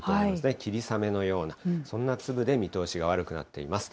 霧雨のような、そんな粒で見通しが悪くなっています。